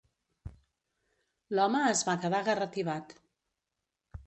L'home es va quedar garratibat.